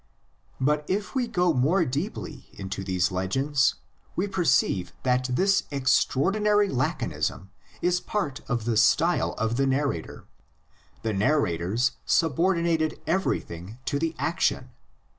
But if we go more deeply into these legends, we perceive that this extraordinary laconism is part of the style of the narrator. The narrators subordinated everything to the action.